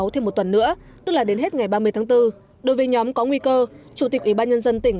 thêm một tuần nữa tức là đến hết ngày ba mươi tháng bốn đối với nhóm có nguy cơ chủ tịch ủy ban nhân dân tỉnh